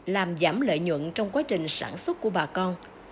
làm giảm lợi nhuận trong quá trình sản xuất của bà con